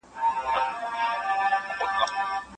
اوس یې شیخان و آینې ته پر سجده پرېوزي